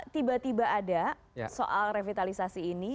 tiba tiba ada soal revitalisasi ini